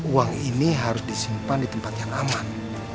uang ini harus disimpan di tempat yang aman